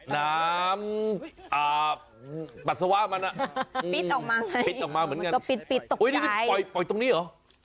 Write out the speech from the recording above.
น้ำปัสสาวะมันมันก็ปิดปิดตรงนี้หรอ